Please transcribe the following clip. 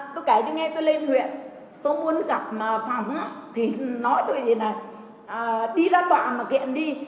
tôi kể cho nghe tôi lên huyện tôi muốn gặp phòng thì nói tôi gì này đi ra tòa mà kiện đi